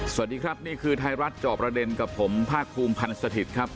สวัสดีครับนี่คือไทยรัฐจอบประเด็นกับผมภาคภูมิพันธ์สถิตย์ครับ